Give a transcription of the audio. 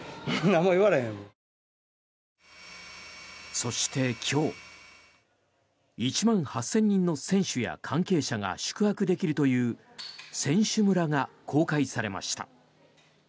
そして、今日１万８０００人の選手や関係者が宿泊できるという選手村が公開されました。